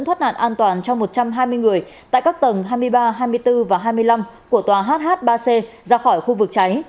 thoát nạn an toàn cho một trăm hai mươi người tại các tầng hai mươi ba hai mươi bốn và hai mươi năm của tòa hh ba c ra khỏi khu vực cháy